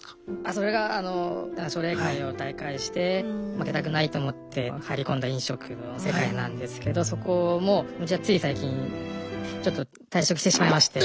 それがあの奨励会を退会して負けたくないと思って入り込んだ飲食の世界なんですけどそこもつい最近ちょっと退職してしまいまして。